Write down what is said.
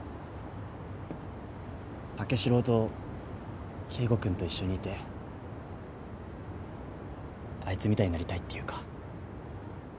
武四郎と圭吾君と一緒にいてあいつみたいになりたいっていうか。